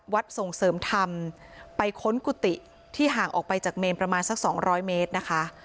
ส่งเสริมธรรมไปค้นกุฏิที่ห่างออกไปจากเมนประมาณสักสองร้อยเมตรนะคะ